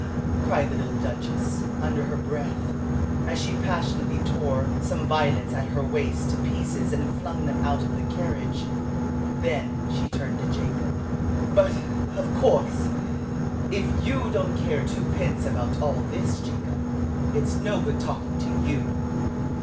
cried the little Duchess, under her breath, as she passionately tore some violets at her waist to pieces and flung them out of the carriage. Then she turned to Jacob. "But, of course, if you don't care twopence about all this, Jacob, it's no good talking to you!"